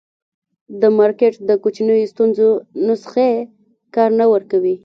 د مارکېټ د کوچنیو ستونزو نسخې کار نه ورکوي.